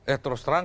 eh terus terang